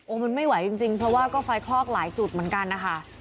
มันไม่ไหวจริงเพราะว่าก็ไฟคลอกหลายจุดเหมือนกันนะคะ